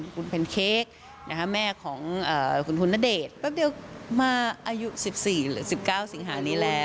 คุณแม่ของน้องมะลิ